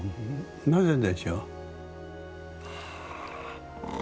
なぜでしょう？